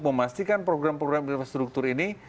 memastikan program program infrastruktur ini